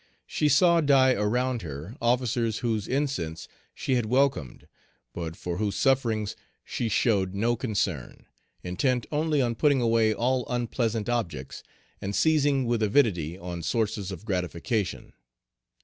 She saw die around her officers whose incense she had welcomed, but for whose sufferings she showed no concern, intent only on putting away all unpleasant objects, and seizing with avidity on sources of gratification.